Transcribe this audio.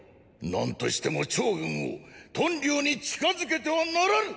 何としても趙軍を“屯留”に近づけてはならぬ！